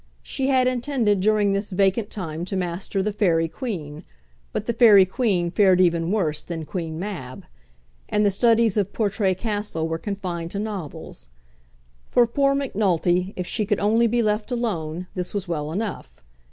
She had intended during this vacant time to master the "Faery Queen;" but the "Faery Queen" fared even worse than "Queen Mab;" and the studies of Portray Castle were confined to novels. For poor Macnulty, if she could only be left alone, this was well enough.